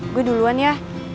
gue duluan ya